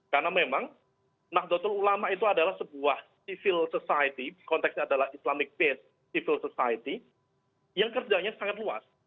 karena memang nakdotal ulama itu adalah sebuah civil society konteksnya adalah islamic based civil society yang kerjanya sangat luas